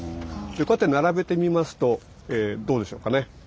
こうやって並べてみますとどうでしょうかね。